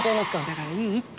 だからいいって。